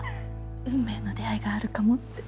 運命の出会いがあるかもって。